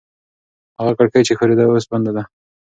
هغه کړکۍ چې ښورېده اوس بنده ده.